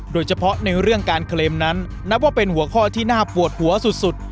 โดยเฉพาะในเรื่องการเคลมนั้นนับว่าเป็นหัวข้อที่น่าปวดหัวสุด